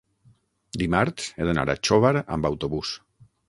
Dimarts he d'anar a Xóvar amb autobús.